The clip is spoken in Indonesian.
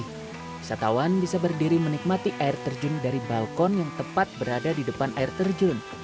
wisatawan bisa berdiri menikmati air terjun dari balkon yang tepat berada di depan air terjun